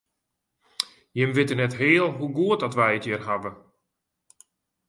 Jimme witte net heal hoe goed oft wy it hjir hawwe.